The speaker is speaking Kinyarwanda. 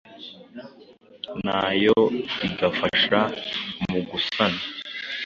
nayo igafasha mu gusana